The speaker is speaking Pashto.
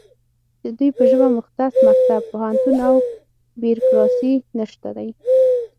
د دوی په ژبه مختص مکتب، پوهنتون او بیرکراسي نشته دی